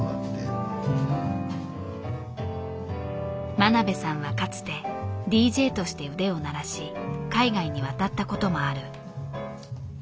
真鍋さんはかつてＤＪとして腕を鳴らし海外に渡った事もある。